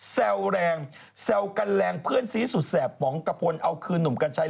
แซวแรงแซวกันแรงเพื่อนซีสุดแสบป๋องกระพลเอาคืนหนุ่มกัญชัย